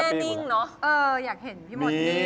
อยากเห็นพี่หมดนี้